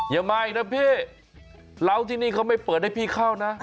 อย่าไม่นะพี่เราที่นี่เขาไม่เปิดให้พี่เข้านะ